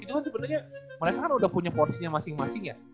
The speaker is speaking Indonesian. itu kan sebenarnya mereka kan udah punya porsinya masing masing ya